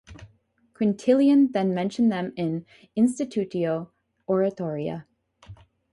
Quintillian then mentioned them in "Institutio Oratoria".